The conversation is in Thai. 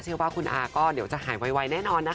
เชื่อว่าคุณอาก็เดี๋ยวจะหายไวแน่นอนนะคะ